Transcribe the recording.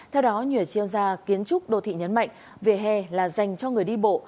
theo đó nhuệ triêu gia kiến trúc đô thị nhấn mạnh vỉa hè là dành cho người đi bộ